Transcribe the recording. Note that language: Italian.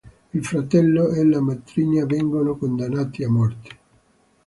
Il fratello e la matrigna vengono condannati a morte.